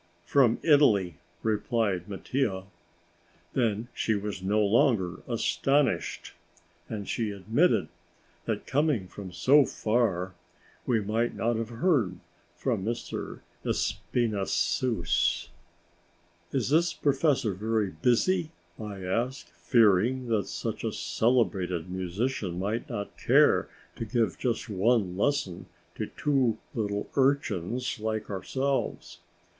"From Italy," replied Mattia. Then she was no longer astonished, and she admitted that, coming from so far then, we might not have heard of M. Espinassous. "Is this professor very busy?" I asked, fearing that such a celebrated musician might not care to give just one lesson to two little urchins like ourselves.